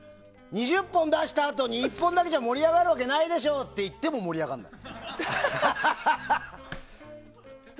２０本出したあとに１本だけじゃ盛り上がるわけないでしょ！って言っても盛り上がらない。